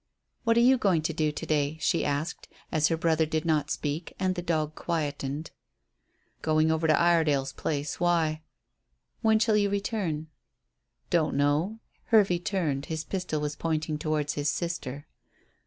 "What are you going to do to day?" she asked, as her brother did not speak and the dog quietened. "Going over to Iredale's place. Why?" "When shall you return?" "Don't know." Hervey turned; his pistol was pointing towards his sister.